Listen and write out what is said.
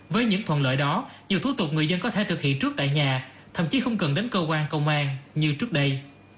với những thuận lợi đó nhiều thủ tục người dân có thể thực hiện trước tại nhà thậm chí không cần đến cơ quan công an như trước đây